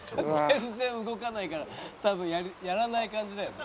「全然動かないから多分やらない感じだよね」